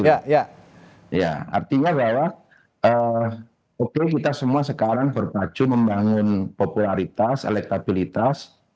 ya artinya bahwa oke kita semua sekarang berpacu membangun popularitas elektabilitas